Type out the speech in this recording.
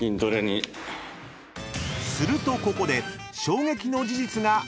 ［するとここで］